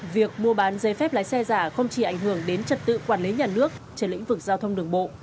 việc mua bán giấy phép lái xe giả không chỉ ảnh hưởng đến trật tự quản lý nhà nước trên lĩnh vực giao thông đường bộ